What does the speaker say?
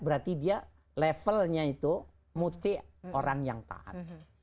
berarti dia levelnya itu mutik orang yang taat